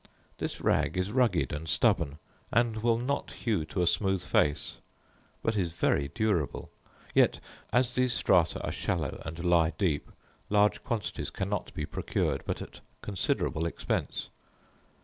This rag is rugged and stubborn, and will not hew to a smooth face; but is very durable: yet, as these strata are shallow and lie deep, large quantities cannot be procured but at considerable expense.